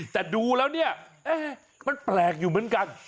แต่ดูแล้วเนี่ยมันแปลกอยู่เหมือนกัน